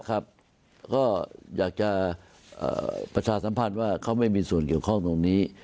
ก็อยากจะประชาสัมพันธ์ว่าเขาไม่มีส่วนเกี่ยวข้องตรงนี้